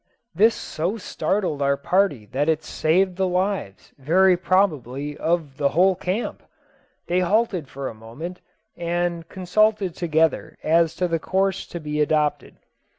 This so startled our party that it saved the lives, very probably, of the whole camp. They halted for a moment, and consulted together as to the course to be adopted.